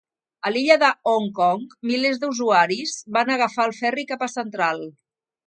A l'illa de Hong Kong, milers de usuaris van agafar el ferri cap a Central.